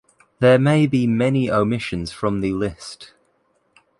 There may be many omissions from the list.